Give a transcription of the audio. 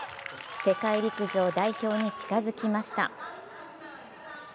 世界陸上代表に近付きました。